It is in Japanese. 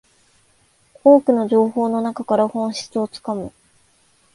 多くの情報の中から本質をつかむ